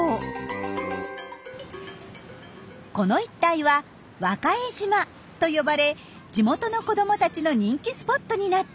この一帯は和賀江島と呼ばれ地元の子どもたちの人気スポットになっています。